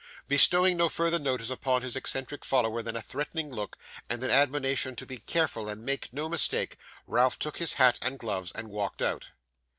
Bestowing no further notice upon his eccentric follower than a threatening look, and an admonition to be careful and make no mistake, Ralph took his hat and gloves, and walked out.